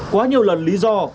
quá nhiều lần lý do